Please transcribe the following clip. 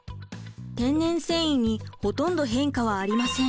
天然繊維にほとんど変化はありません。